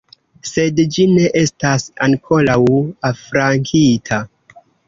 Sed ĝi ne estas ankoraŭ afrankita.